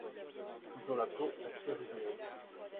Ils ont la peau assez rugueuse.